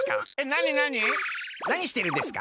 なにしてるんですか？